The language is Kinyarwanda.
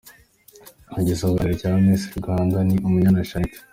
Igisonga cya mbere cya Miss Rwanda ni Umunyana Shanitah.